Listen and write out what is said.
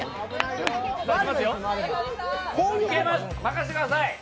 任してください！